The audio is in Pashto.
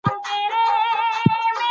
ریښتیا ویل د انسان عزت زیاتوي.